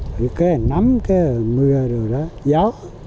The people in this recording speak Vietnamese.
phải cái nấm cái mưa rồi đó gió